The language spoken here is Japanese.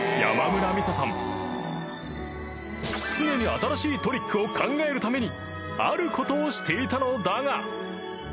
［常に新しいトリックを考えるためにあることをしていたのだが］